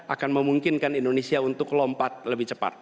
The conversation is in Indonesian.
akan memungkinkan indonesia untuk lompat lebih cepat